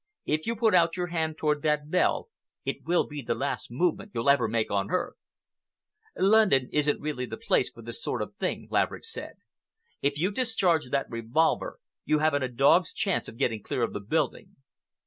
"If you put out your hand toward that bell, it will be the last movement you'll ever make on earth." "London isn't really the place for this sort of thing," Laverick said. "If you discharge that revolver, you haven't a dog's chance of getting clear of the building.